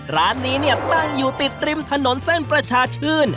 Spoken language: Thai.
ร้านนี้เนี่ยตั้งอยู่ติดริมถนนเส้นประชาชื่น